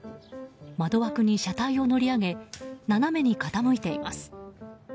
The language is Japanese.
窓枠に車体を乗り上げ斜めに傾いています。